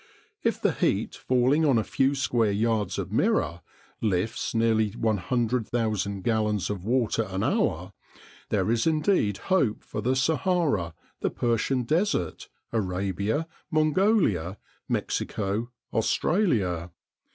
If the heat falling on a few square yards of mirror lifts nearly 100,000 gallons of water an hour, there is indeed hope for the Sahara, the Persian Desert, Arabia, Mongolia, Mexico, Australia.